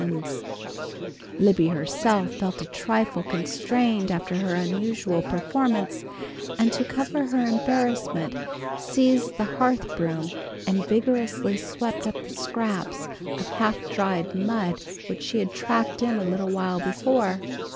[Illustration: "Oh, dear Santa Claus"] Libby herself felt a trifle constrained after her unusual performance, and to cover her embarrassment seized the hearth broom and vigorously swept up the scraps of half dried mud which she had tracked in a little while before.